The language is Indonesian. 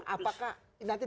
istana presiden sebagai negara